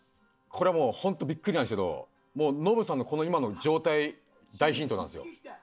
これもうホントビックリなんですけどノブさんのこの今の状態大ヒントなんですよ。